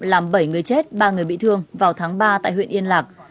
làm bảy người chết ba người bị thương vào tháng ba tại huyện yên lạc